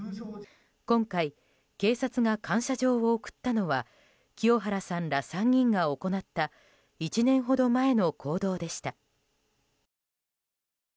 今回、警察が感謝状を贈ったのは清原さんら３人が行った１年ほど前の行動でした。